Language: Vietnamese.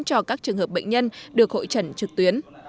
cho các trường hợp bệnh nhân được hội trần trực tuyến